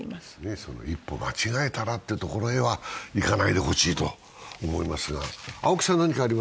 その一歩間違えたらってところへはいかないでほしいと思いますが。